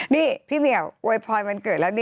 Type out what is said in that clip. นี่พี่เมียโวยปลอยมันเกิดแล้ว